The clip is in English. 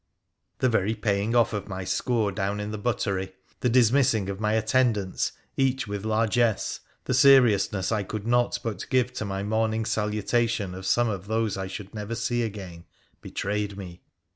The very paying off of my score down in the buttery, the dismissing of my attendants, each with largess, the seriousness I could not but give to my morning salutation of some of those I should never see again, betrayed me.